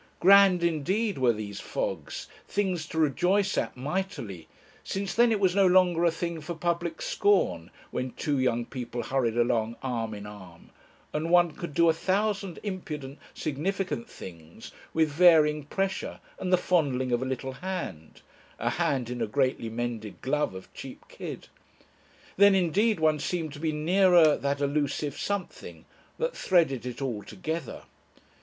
Grand indeed were these fogs, things to rejoice at mightily, since then it was no longer a thing for public scorn when two young people hurried along arm in arm, and one could do a thousand impudent, significant things with varying pressure and the fondling of a little hand (a hand in a greatly mended glove of cheap kid). Then indeed one seemed to be nearer that elusive something that threaded it all together.